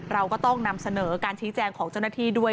เราก็ต้องนำเสนอการชี้แจงของเจ้าหน้าที่ด้วย